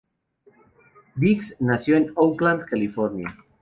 Diggs nació en Oakland, California.